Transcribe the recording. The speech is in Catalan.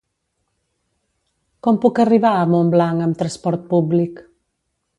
Com puc arribar a Montblanc amb trasport públic?